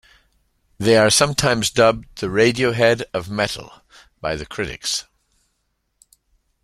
They are sometimes dubbed "the Radiohead of metal" by critics.